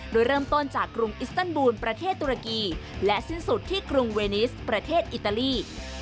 โดยเริ่มต้นจากกรุงอิสตันบูลประเทศตุรกีและสิ้นสุดที่กรุงเวนิสประเทศอิตาลี